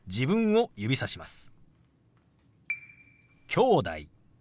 「きょうだい」。